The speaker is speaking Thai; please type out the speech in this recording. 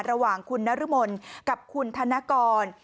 ระหว่างคุณนรมนกับคุณธนกร